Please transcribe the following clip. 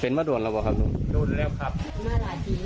เป็นวัตดวนแล้วเปล่าครับไม่ถูกเรียบครับมาหลายทีแล้ว